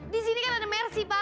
disini kan ada mer sih pak